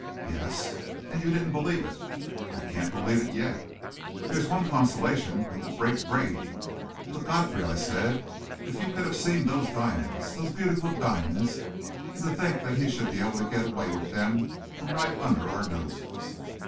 "Yes." "And you didn't believe it." "I can't believe it yet." "There's one consolation it will break Grady." "But, Godfrey," I said, "if you could have seen those diamonds those beautiful diamonds and to think he should be able to get away with them from right under our noses!"